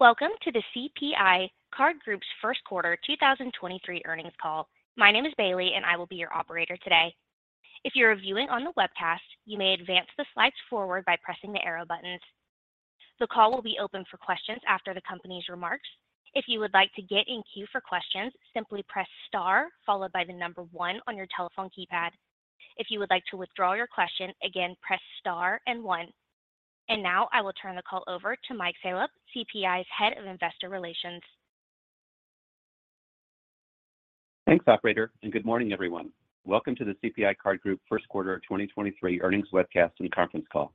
Welcome to the CPI Card Group's Q1 2023 earnings call. My name is Bailey, and I will be your operator today. If you are viewing on the webcast, you may advance the slides forward by pressing the arrow buttons. The call will be open for questions after the company's remarks. If you would like to get in queue for questions, simply press star followed by the number one on your telephone keypad. If you would like to withdraw your question, again, press star and one And now I will turn the call over to Mike Salop, CPI's Head of Investor Relations. Thanks, operator, and good morning, everyone. Welcome to the CPI Card Group Q1 2023 earnings webcast and conference call.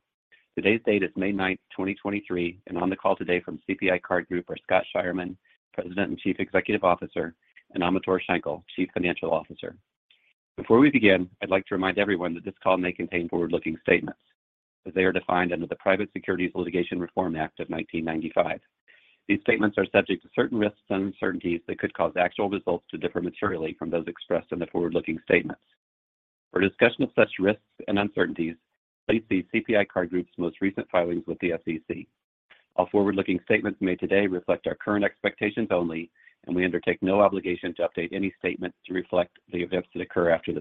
Today's date is May 9th, 2023, and on the call today from CPI Card Group are Scott Scheirman, President and Chief Executive Officer, and Amintore Schenkel, Chief Financial Officer. Before we begin, I'd like to remind everyone that this call may contain forward-looking statements, as they are defined under the Private Securities Litigation Reform Act of 1995. These statements are subject to certain risks and uncertainties that could cause actual results to differ materially from those expressed in the forward-looking statements. For a discussion of such risks and uncertainties, please see CPI Card Group's most recent filings with the SEC. All forward-looking statements made today reflect our current expectations only, and we undertake no obligation to update any statement to reflect the events that occur after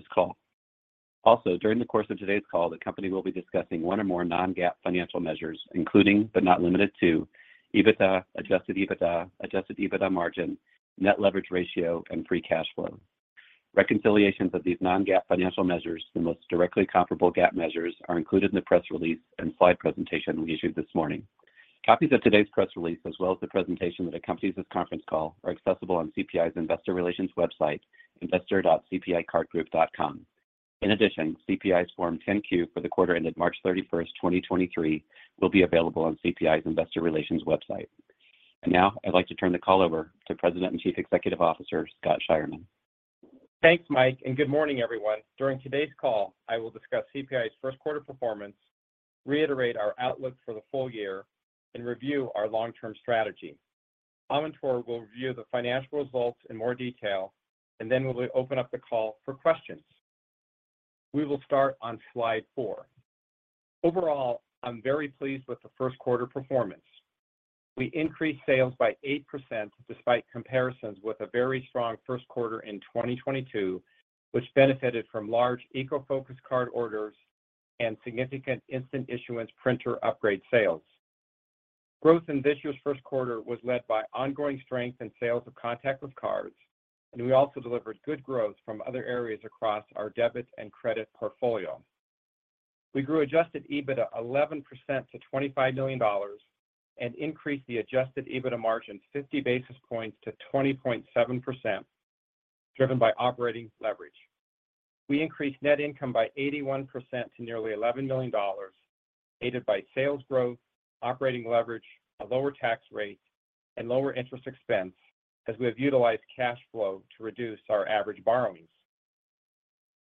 this call. Also, during the course of today's call, the company will be discussing one or more non-GAAP financial measures, including, but not limited to, EBITDA, Adjusted EBITDA, Adjusted EBITDA margin, net leverage ratio, and free cash flow. Reconciliations of these non-GAAP financial measures to the most directly comparable GAAP measures are included in the press release and slide presentation we issued this morning. Copies of today's press release, as well as the presentation that accompanies this conference call, are accessible on CPI's investor relations website, investor.cpicardgroup.com. In addition, CPI's Form 10-Q for the quarter ended March 31st, 2023, will be available on CPI's investor relations website. Now I'd like to turn the call over to President and Chief Executive Officer, Scott Scheirman. Thanks, Mike. Good morning, everyone. During today's call, I will discuss CPI's Q1 performance, reiterate our outlook for the full year, and review our long-term strategy. Amintore will review the financial results in more detail, and then we'll open up the call for questions. We will start on slide four. Overall, I'm very pleased with the Q1 performance. We increased sales by 8% despite comparisons with a very strong Q1 in 2022, which benefited from large eco-focused cards orders and significant Instant Issuance printer upgrade sales. Growth in this year's Q1 was led by ongoing strength in sales of contactless cards, and we also delivered good growth from other areas across our debit and credit portfolio. We grew Adjusted EBITDA 11% to $25 million and increased the Adjusted EBITDA margin 50 basis points to 20.7%, driven by operating leverage. We increased net income by 81% to nearly $11 million, aided by sales growth, operating leverage, a lower tax rate, and lower interest expense as we have utilized cash flow to reduce our average borrowings.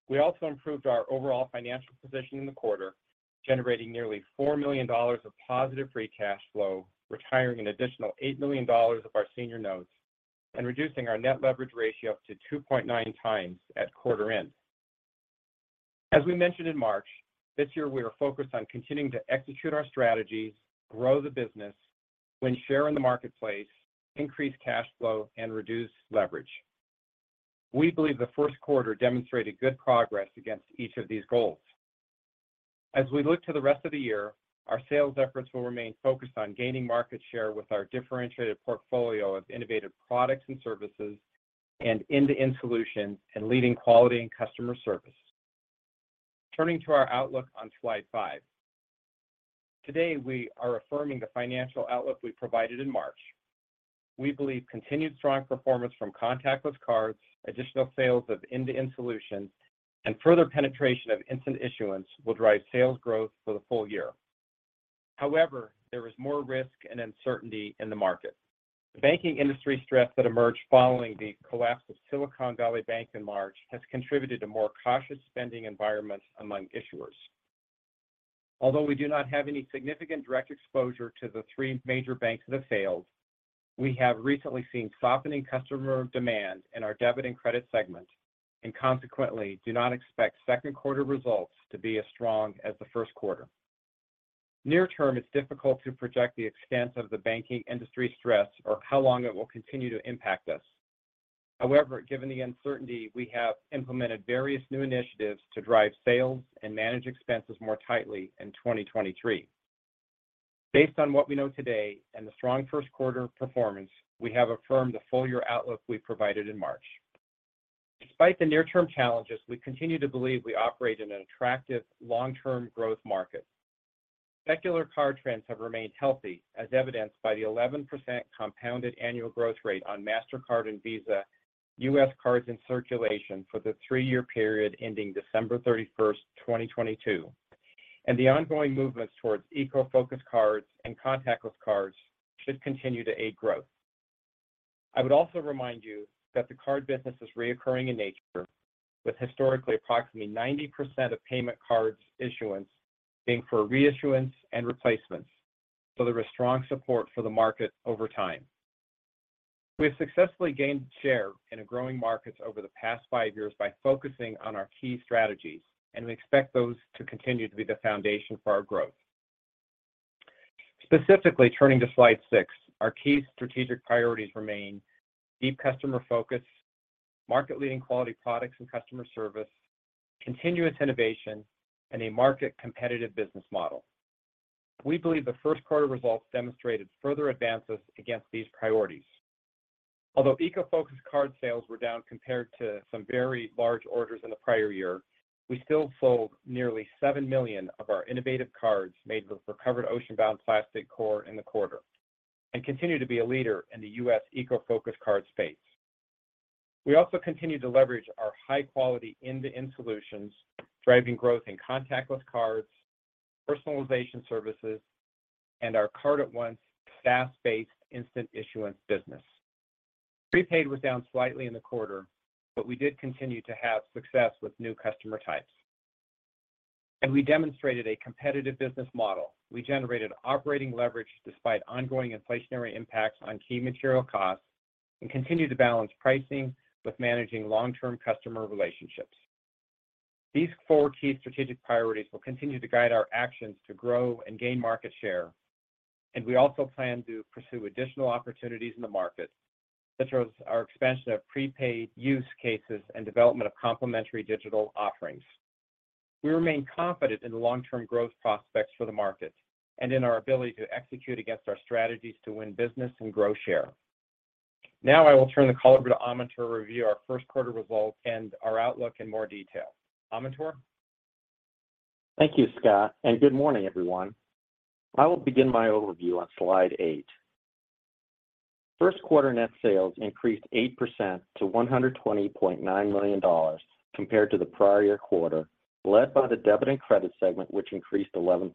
We also improved our overall financial position in the quarter, generating nearly $4 million of positive free cash flow, retiring an additional $8 million of our Senior Notes, and reducing our net leverage ratio to 2.9x at quarter end. As we mentioned in March, this year we are focused on continuing to execute our strategy, grow the business, win share in the marketplace, increase cash flow, and reduce leverage. We believe the Q1 demonstrated good progress against each of these goals. As we look to the rest of the year, our sales efforts will remain focused on gaining market share with our differentiated portfolio of innovative products and services and end-to-end solutions and leading quality and customer service. Turning to our outlook on slide five. Today, we are affirming the financial outlook we provided in March. We believe continued strong performance from contactless cards, additional sales of end-to-end solutions, and further penetration of instant issuance will drive sales growth for the full year. However, there is more risk and uncertainty in the market. The banking industry stress that emerged following the collapse of Silicon Valley Bank in March has contributed to more cautious spending environments among issuers. Although we do not have any significant direct exposure to the three major banks that have failed, we have recently seen softening customer demand in our debit and credit segment, and consequently do not expect Q2 results to be as strong as the Q1. Near term, it's difficult to project the extent of the banking industry stress or how long it will continue to impact us. Given the uncertainty, we have implemented various new initiatives to drive sales and manage expenses more tightly in 2023. Based on what we know today and the strong Q1 performance, we have affirmed the full year outlook we provided in March. Despite the near-term challenges, we continue to believe we operate in an attractive long-term growth market. Secular card trends have remained healthy, as evidenced by the 11% compounded annual growth rate on Mastercard and Visa US cards in circulation for the three-year period ending December 31st, 2022, and the ongoing movements towards eco-focused cards and contactless cards should continue to aid growth. I would also remind you that the card business is reoccurring in nature, with historically approximately 90% of payment cards issuance being for reissuance and replacements, so there is strong support for the market over time. We have successfully gained share in a growing market over the past five years by focusing on our key strategies, and we expect those to continue to be the foundation for our growth. Specifically, turning to slide six, our key strategic priorities remain deep customer focus, market-leading quality products and customer service, continuous innovation, and a market competitive business model. We believe the Q1 results demonstrated further advances against these priorities. Although eco-focused card sales were down compared to some very large orders in the prior year, we still sold nearly 7 million of our innovative cards made with recovered ocean-bound plastic core in the quarter and continue to be a leader in the U.S. eco-focused card space. We also continue to leverage our high quality end-to-end solutions, driving growth in contactless cards, personalization services, and our Card@Once SaaS-based instant issuance business. Prepaid was down slightly in the quarter, but we did continue to have success with new customer types. We demonstrated a competitive business model. We generated operating leverage despite ongoing inflationary impacts on key material costs and continued to balance pricing with managing long-term customer relationships. These four key strategic priorities will continue to guide our actions to grow and gain market share, and we also plan to pursue additional opportunities in the market, such as our expansion of prepaid use cases and development of complementary digital offerings. We remain confident in the long-term growth prospects for the market and in our ability to execute against our strategies to win business and grow share. Now I will turn the call over to Amintore to review our Q1 results and our outlook in more detail. Amintore. Thank you, Scott, and good morning, everyone. I will begin my overview on slide eight. Q1 net sales increased 8% to $120.9 million compared to the prior year quarter, led by the debit and credit segment, which increased 11%.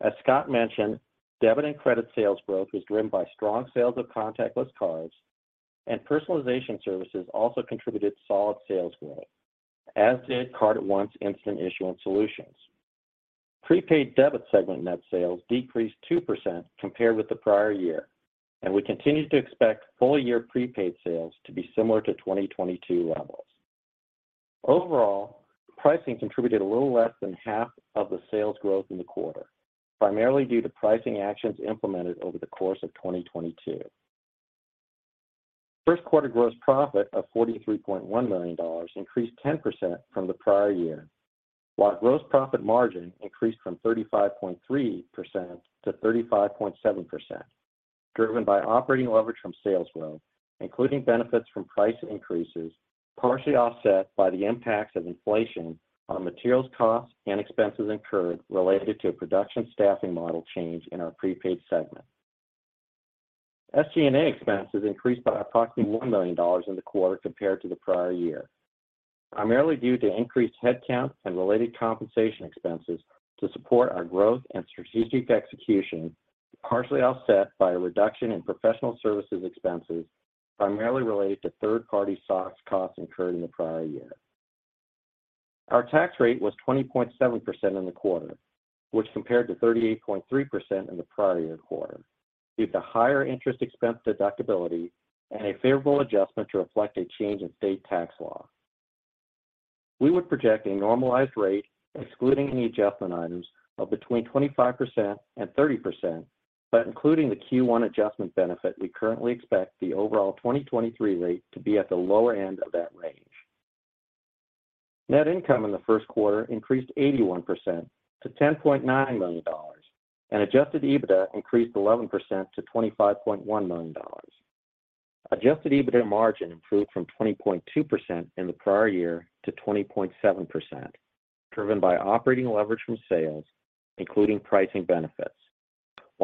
As Scott mentioned, debit and credit sales growth was driven by strong sales of contactless cards, and personalization services also contributed solid sales growth, as did Card@Once instant issuance solutions. Prepaid debit segment net sales decreased 2% compared with the prior year, and we continue to expect full-year prepaid sales to be similar to 2022 levels. Overall, pricing contributed a little less than half of the sales growth in the quarter, primarily due to pricing actions implemented over the course of 2022. Q1 gross profit of $43.1 million increased 10% from the prior year, while gross profit margin increased from 35.3% to 35.7%, driven by operating leverage from sales growth, including benefits from price increases, partially offset by the impacts of inflation on materials costs and expenses incurred related to a production staffing model change in our prepaid segment. SG&A expenses increased by approximately $1 million in the quarter compared to the prior year, primarily due to increased headcount and related compensation expenses to support our growth and strategic execution, partially offset by a reduction in professional services expenses, primarily related to third-party SOX costs incurred in the prior year. Our tax rate was 20.7% in the quarter, which compared to 38.3% in the prior year quarter, due to higher interest expense deductibility and a favorable adjustment to reflect a change in state tax law. We would project a normalized rate excluding any adjustment items of between 25% and 30%, but including the Q1 adjustment benefit, we currently expect the overall 2023 rate to be at the lower end of that range. Net income in the Q1 increased 81% to $10.9 million and Adjusted EBITDA increased 11% to $25.1 million. Adjusted EBITDA margin improved from 20.2% in the prior year to 20.7%, driven by operating leverage from sales, including pricing benefits.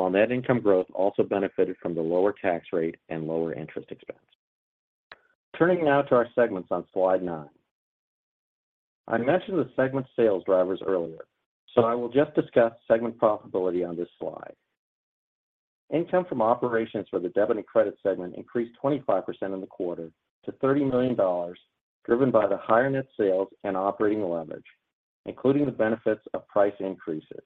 Net income growth also benefited from the lower tax rate and lower interest expense. Turning now to our segments on slide nine. I mentioned the segment sales drivers earlier, so I will just discuss segment profitability on this slide. Income from operations for the debit and credit segment increased 25% in the quarter to $30 million, driven by the higher net sales and operating leverage, including the benefits of price increases.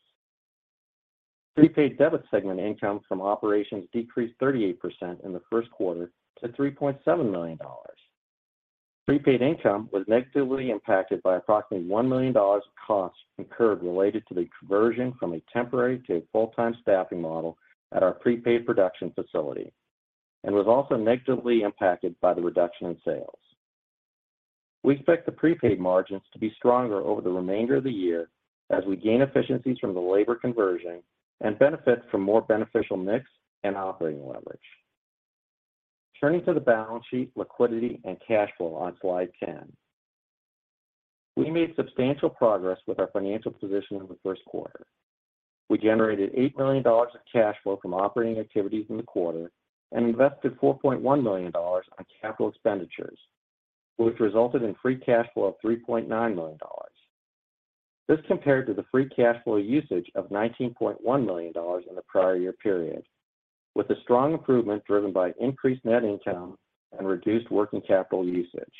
Prepaid debit segment income from operations decreased 38% in the Q1 to $3.7 million. Prepaid income was negatively impacted by approximately $1 million of costs incurred related to the conversion from a temporary to a full-time staffing model at our prepaid production facility and was also negatively impacted by the reduction in sales. We expect the prepaid margins to be stronger over the remainder of the year as we gain efficiencies from the labor conversion and benefit from more beneficial mix and operating leverage. Turning to the balance sheet, liquidity, and cash flow on slide 10. We made substantial progress with our financial position in the Q1. We generated $8 million of cash flow from operating activities in the quarter and invested $4.1 million on CapEx, which resulted in free cash flow of $3.9 million. This compared to the free cash flow usage of $19.1 million in the prior year period, with a strong improvement driven by increased net income and reduced working capital usage.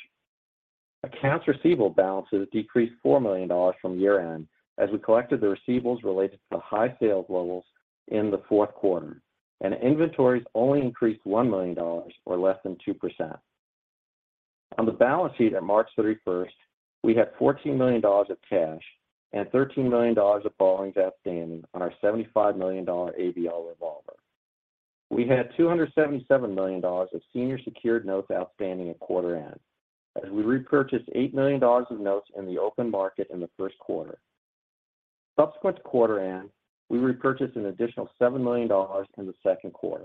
Accounts receivable balances decreased $4 million from year-end as we collected the receivables related to the high sales levels in the Q4. Inventories only increased $1 million or less than 2%. On the balance sheet at March 31st, we had $14 million of cash and $13 million of borrowings outstanding on our $75 million ABL revolver. We had $277 million of Senior Secured Notes outstanding at quarter end as we repurchased $8 million of notes in the open market in the Q1. Subsequent to quarter end, we repurchased an additional $7 million in the Q2.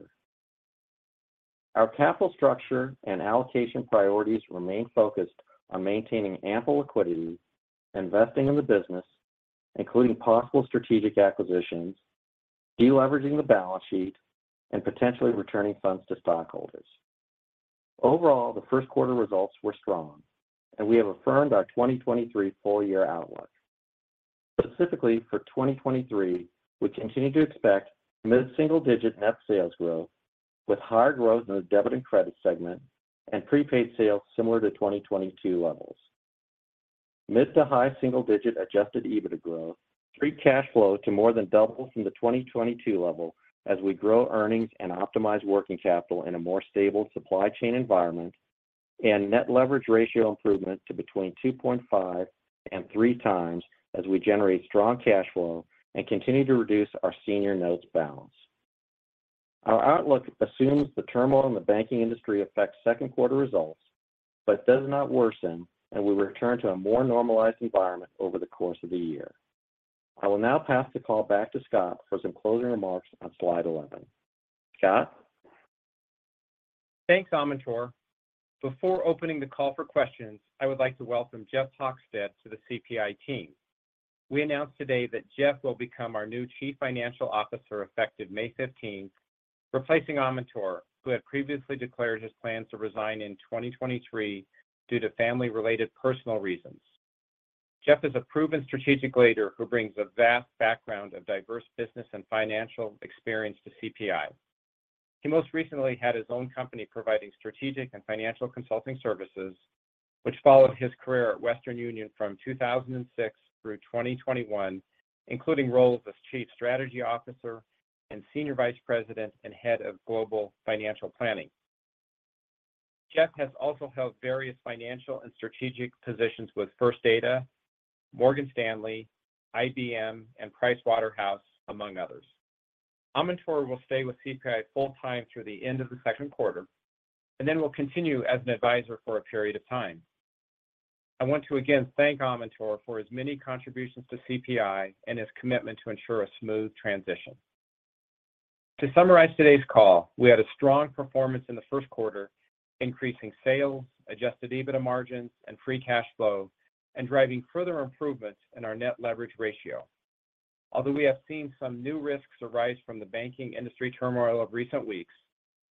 Our capital structure and allocation priorities remain focused on maintaining ample liquidity, investing in the business, including possible strategic acquisitions, de-leveraging the balance sheet, and potentially returning funds to stockholders. Overall, the Q1 results were strong, and we have affirmed our 2023 full year outlook. Specifically, for 2023, we continue to expect mid-single-digit net sales growth with higher growth in the debit and credit segment and prepaid sales similar to 2022 levels. Mid to high single digit Adjusted EBITDA growth, free cash flow to more than double from the 2022 level as we grow earnings and optimize working capital in a more stable supply chain environment, and net leverage ratio improvement to between 2.5x and 3x as we generate strong cash flow and continue to reduce our Senior Notes balance. Our outlook assumes the turmoil in the banking industry affects Q2 results but does not worsen, and we return to a more normalized environment over the course of the year. I will now pass the call back to Scott for some closing remarks on slide 11. Scott? Thanks, Amintore. Before opening the call for questions, I would like to welcome Jeff Hochstadt to the CPI team. We announced today that Jeff will become our new Chief Financial Officer effective May 15th, replacing Amintore, who had previously declared his plans to resign in 2023 due to family-related personal reasons. Jeff is a proven strategic leader who brings a vast background of diverse business and financial experience to CPI. He most recently had his own company providing strategic and financial consulting services, which followed his career at Western Union from 2006 through 2021, including roles as Chief Strategy Officer and Senior Vice President and Head of Global Financial Planning. Jeff has also held various financial and strategic positions with First Data, Morgan Stanley, IBM, and PricewaterhouseCoopers, among others. Amintore will stay with CPI full-time through the end of the Q2 and then will continue as an advisor for a period of time. I want to again thank Amintore for his many contributions to CPI and his commitment to ensure a smooth transition. To summarize today's call, we had a strong performance in the Q1, increasing sales, Adjusted EBITDA margins, and free cash flow, and driving further improvements in our net leverage ratio. Although we have seen some new risks arise from the banking industry turmoil of recent weeks,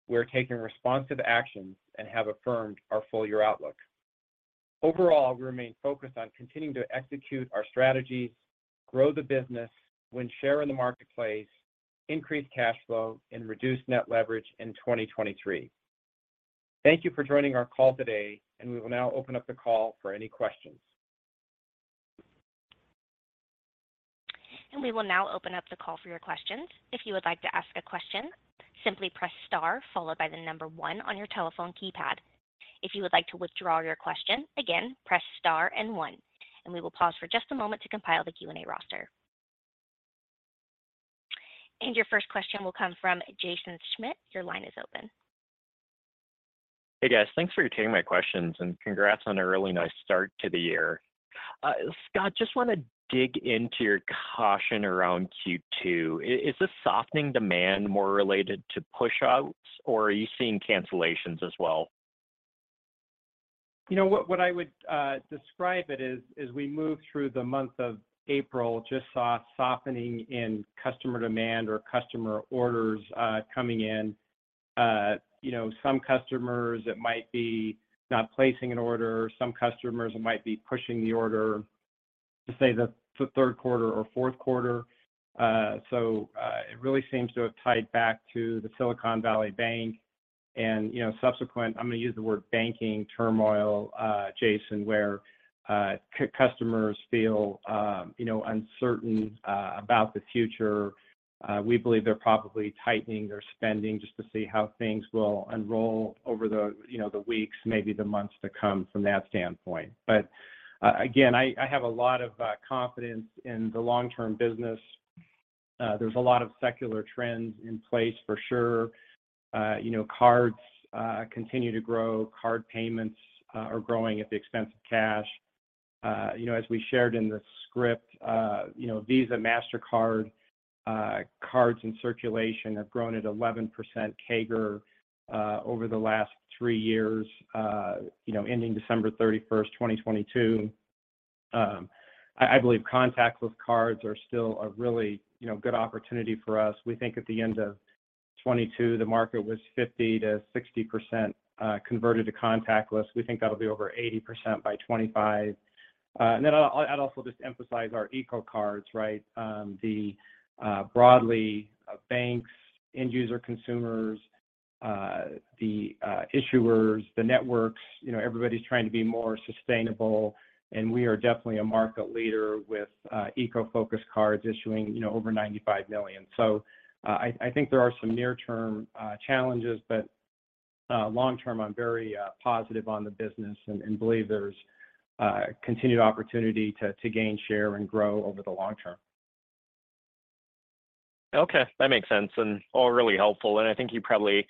we are taking responsive actions and have affirmed our full year outlook. Overall, we remain focused on continuing to execute our strategies, grow the business, win share in the marketplace, increase cash flow, and reduce net leverage in 2023. Thank you for joining our call today. We will now open up the call for any questions. We will now open up the call for your questions. If you would like to ask a question, simply press star followed by the number one on your telephone keypad. If you would like to withdraw your question, again, press star and one. We will pause for just a moment to compile the Q&A roster. Your first question will come from Jaeson Schmidt. Your line is open. Hey, guys. Thanks for taking my questions and congrats on a really nice start to the year. Scott, just want to dig into your caution around Q2. Is this softening demand more related to pushouts, or are you seeing cancellations as well? You know what I would describe it is as we move through the month of April, just saw a softening in customer demand or customer orders coming in. You know, some customers that might be not placing an order, some customers that might be pushing the order to, say, the Q3 or Q4. It really seems to have tied back to the Silicon Valley Bank and, you know, subsequent, I'm going to use the word banking turmoil, Jaeson, where customers feel, you know, uncertain about the future. We believe they're probably tightening their spending just to see how things will unroll over the, you know, the weeks, maybe the months to come from that standpoint. Again, I have a lot of confidence in the long-term business. There's a lot of secular trends in place for sure. You know, cards continue to grow. Card payments are growing at the expense of cash. You know, as we shared in the script, you know, Visa, Mastercard, cards in circulation have grown at 11% CAGR over the last three years, you know, ending December 31st, 2022. I believe contactless cards are still a really, you know, good opportunity for us. We think at the end of 2022, the market was 50%-60% converted to contactless. We think that'll be over 80% by 2025. I'll also just emphasize our eco-focused cards, right? Broadly, banks, end user consumers, the issuers, the networks, you know, everybody's trying to be more sustainable, and we are definitely a market leader with eco-focused cards issuing, you know, over $95 million. I think there are some near-term challenges, but long term, I'm very positive on the business and believe there's continued opportunity to gain share and grow over the long term. Okay. That makes sense and all really helpful. I think you probably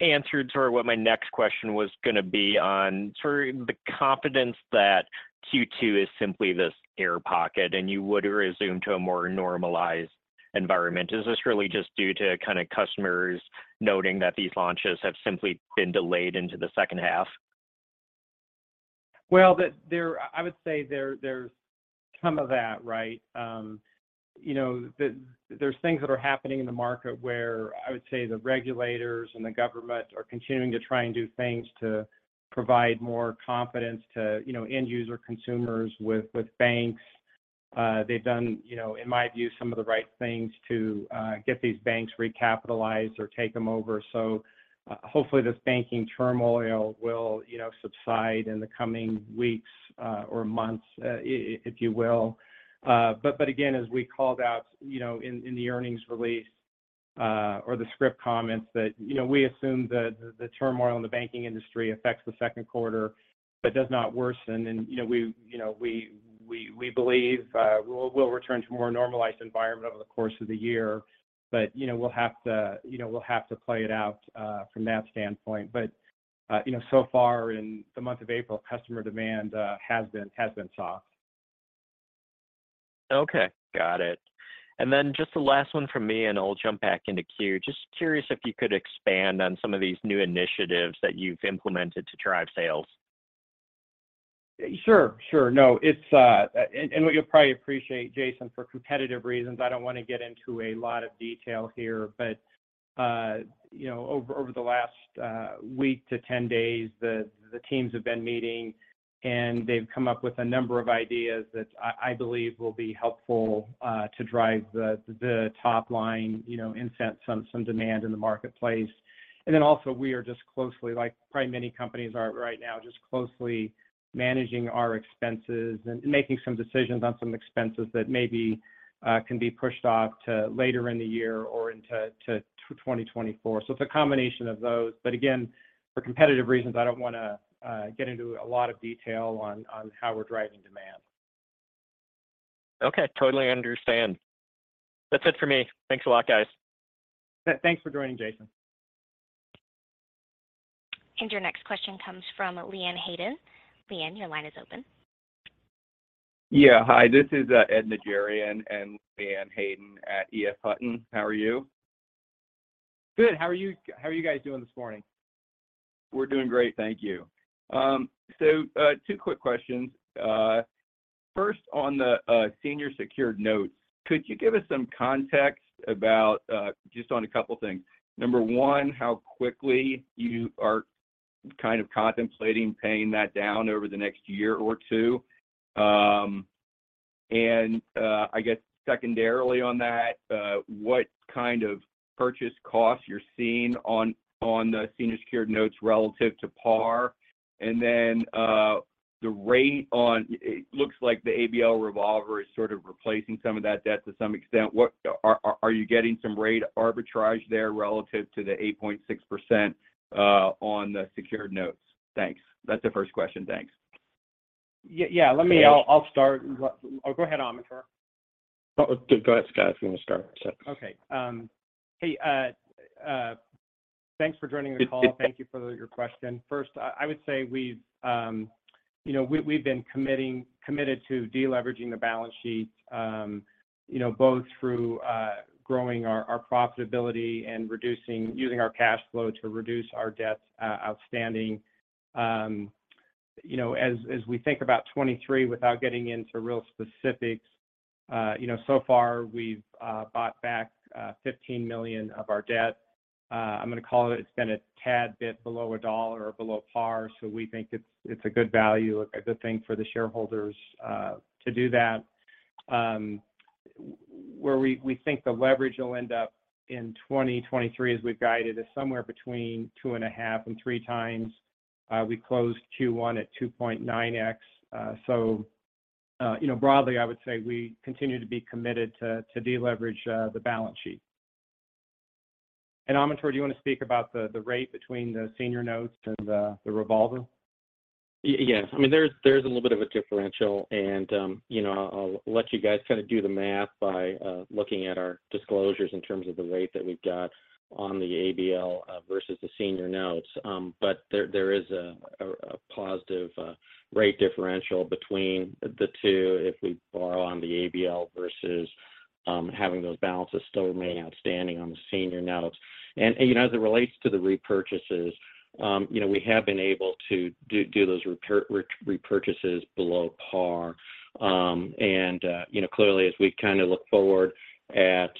answered sort of what my next question was gonna be on sort of the confidence that Q2 is simply this air pocket, and you would resume to a more normalized environment. Is this really just due to kind of customers noting that these launches have simply been delayed into the H2? Well, I would say there's some of that, right? You know, there's things that are happening in the market where I would say the regulators and the government are continuing to try and do things to provide more confidence to, you know, end user consumers with banks. They've done, you know, in my view, some of the right things to get these banks recapitalized or take them over. Hopefully, this banking turmoil will, you know, subside in the coming weeks or months, if you will. But again, as we called out, you know, in the earnings release or the script comments that, you know, we assume the turmoil in the banking industry affects the Q2 but does not worsen. You know, we, you know, we believe we'll return to a more normalized environment over the course of the year. you know, we'll have to, you know, play it out from that standpoint. You know, so far in the month of April, customer demand has been soft. Okay. Got it. Just the last one from me, and I'll jump back into queue. Just curious if you could expand on some of these new initiatives that you've implemented to drive sales. Sure, sure. No, and you'll probably appreciate, Jaeson, for competitive reasons, I don't wanna get into a lot of detail here. But, you know, over the last week to 10 days, the teams have been meeting, and they've come up with a number of ideas that I believe will be helpful to drive the top line, you know, incent some demand in the marketplace. And then also we are just closely, like probably many companies are right now, just closely managing our expenses and making some decisions on some expenses that maybe can be pushed off to later in the year or into to 2024. So it's a combination of those. But again, for competitive reasons, I don't wanna get into a lot of detail on how we're driving demand. Okay. Totally understand. That's it for me. Thanks a lot, guys. Thanks for joining, Jaeson. Your next question comes from Leanne Hayden. Leanne, your line is open. Yeah. Hi, this is Ed Najarian and Leanne Hayden at EF Hutton. How are you? Good. How are you guys doing this morning? We're doing great. Thank you. Two quick questions. First on the Senior Secured Notes, could you give us some context about just on a couple things? Number one, how quickly you are kind of contemplating paying that down over the next year or two. I guess secondarily on that, what kind of purchase costs you're seeing on the Senior Secured Notes relative to par. It looks like the ABL revolver is sort of replacing some of that debt to some extent. Are you getting some rate arbitrage there relative to the 8.6% on the Senior Secured Notes? Thanks. That's the first question. Thanks. Yeah. Okay. I'll start. Oh, go ahead, Amintore. Oh, go ahead, Scott. If you wanna start. Sorry. Okay. Hey, thanks for joining the call. Thank you for your question. First, I would say we've, you know, we've been committed to deleveraging the balance sheets, you know, both through growing our profitability and using our free cash flow to reduce our debts outstanding. You know, as we think about 2023, without getting into real specifics, you know, so far we've bought back $15 million of our debt. I'm gonna call it's been a tad bit below a dollar or below par, so we think it's a good value, a good thing for the shareholders to do that. Where we think the net leverage ratio will end up in 2023 as we've guided is somewhere between 2.5x and 3x. We closed Q1 at 2.9x. You know, broadly, I would say we continue to be committed to deleverage the balance sheet. Amintore, do you wanna speak about the rate between the Senior Notes and the Revolver? Yes. I mean, there's a little bit of a differential, you know, I'll let you guys kind of do the math by looking at our disclosures in terms of the rate that we've got on the ABL versus the Senior Secured Notes. There is a positive rate differential between the two if we borrow on the ABL versus having those balances still remaining outstanding on the Senior Secured Notes. You know, as it relates to the repurchases, you know, we have been able to do those repurchases below par. You know, clearly, as we kind of look forward at,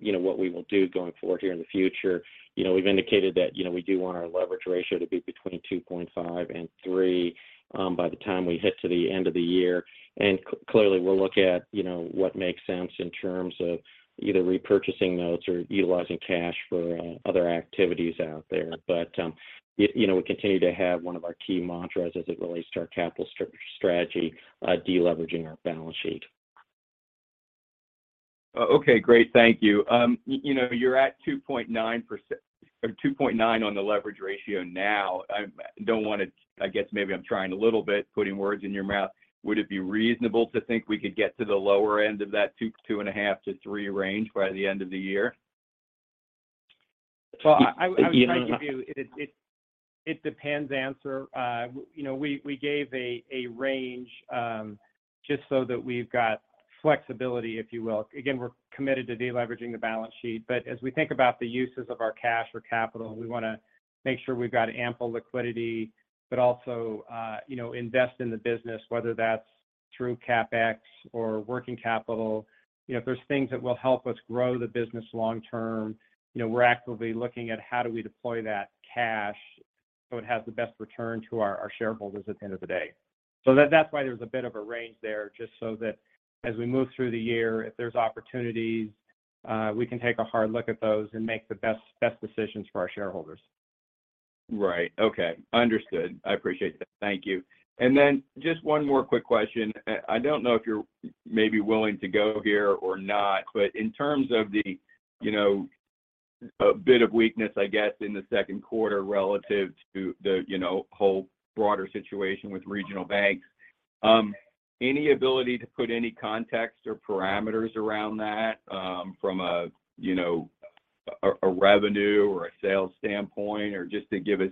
you know, what we will do going forward here in the future, you know, we've indicated that, you know, we do want our leverage ratio to be between 2.5x and 3x by the time we hit to the end of the year. Clearly, we'll look at, you know, what makes sense in terms of either repurchasing notes or utilizing cash for other activities out there. You know, we continue to have one of our key mantras as it relates to our capital strategy, deleveraging our balance sheet. Okay, great. Thank you. You know, you're at 2.9x on the leverage ratio now. I don't wanna, I guess maybe I'm trying a little bit, putting words in your mouth. Would it be reasonable to think we could get to the lower end of that 2.5x-3x range by the end of the year? Well, I might give you it depends answer. You know, we gave a range, just so that we've got flexibility, if you will. Again, we're committed to deleveraging the balance sheet. As we think about the uses of our cash or capital, we wanna make sure we've got ample liquidity, but also, you know, invest in the business, whether that's through CapEx or working capital. You know, if there's things that will help us grow the business long term, you know, we're actively looking at how do we deploy that cash so it has the best return to our shareholders at the end of the day. That's why there's a bit of a range there, just so that as we move through the year, if there's opportunities, we can take a hard look at those and make the best decisions for our shareholders. Right. Okay. Understood. I appreciate that. Thank you. Then just one more quick question. I don't know if you're maybe willing to go here or not, but in terms of the, you know, a bit of weakness, I guess, in the Q2 relative to the, you know, whole broader situation with regional banks, any ability to put any context or parameters around that, from a, you know, a revenue or a sales standpoint, or just to give us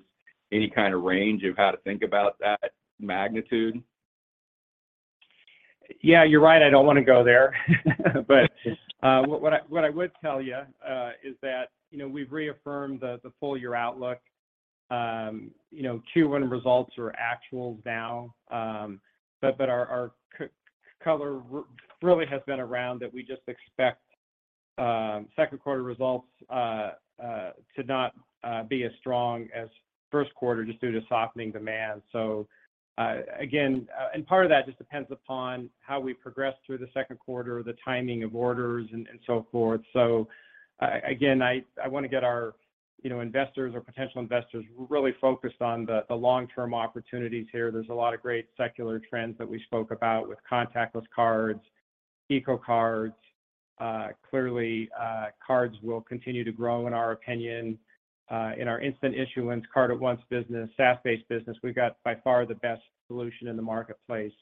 any kind of range of how to think about that magnitude? Yeah, you're right, I don't wanna go there. What I would tell you is that, you know, we've reaffirmed the full year outlook. You know, Q1 results are actuals now. But our color really has been around that we just expect Q2 results to not be as strong as Q1 just due to softening demand. Again, and part of that just depends upon how we progress through the Q2, the timing of orders and so forth. Again, I wanna get our, you know, investors or potential investors really focused on the long-term opportunities here. There's a lot of great secular trends that we spoke about with contactless cards, eco cards. Clearly, cards will continue to grow in our opinion. In our instant issuance Card@Once business, SaaS-based business, we've got by far the best solution in the marketplace.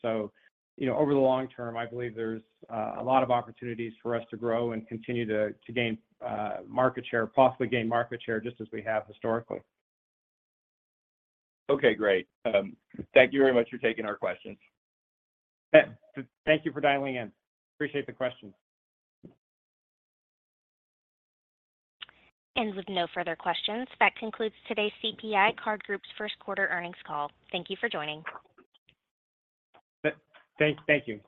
You know, over the long term, I believe there's a lot of opportunities for us to grow and continue to gain market share, possibly gain market share just as we have historically. Okay, great. Thank you very much for taking our questions. Thank you for dialing in. Appreciate the question. With no further questions, that concludes today's CPI Card Group's Q1 earnings call. Thank you for joining. Thank you.